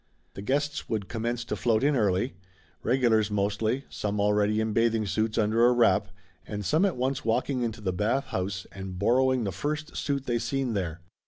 The guests would commence to float in early. Reg ulars, mostly, some already in bathing suits under a wrap, and some at once walking into the bath house and borrowing the first suit they seen there.